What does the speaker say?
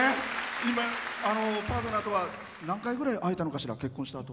今、パートナーとは何回ぐらい会えたのかしら、結婚したあと。